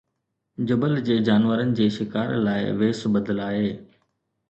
جبل جي جانورن جي شڪار لاءِ ويس بدلائي